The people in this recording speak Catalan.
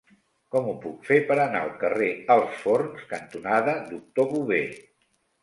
Com ho puc fer per anar al carrer Alts Forns cantonada Doctor Bové?